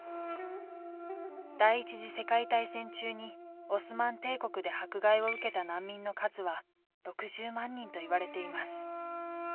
第一次世界大戦中にオスマン帝国で迫害を受けた難民の数は６０万人といわれています。